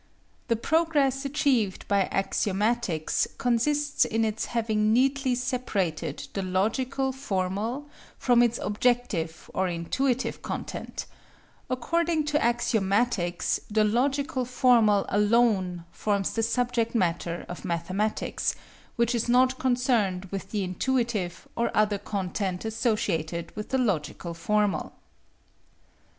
The progress achieved by axiomatics consists in its having neatly separated the logical formal from its objective or intuitive content; according to axiomatics the logical formal alone forms the subject matter of mathematics, which is not concerned with the intuitive or other content associated with the logical formal.